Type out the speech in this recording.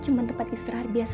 emangnya tempat ini seperti apa